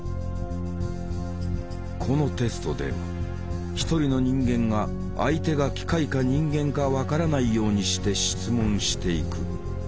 このテストでは一人の人間が相手が機械か人間か分からないようにして質問していく。